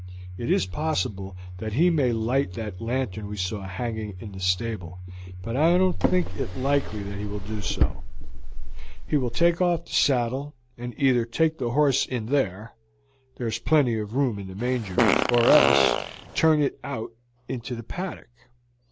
It is possible that he may light that lantern we saw hanging in the stable, but I don't think it likely he will do so; he will take off the saddle, and either take the horse in there there is plenty of food in the manger or else turn it out into the paddock.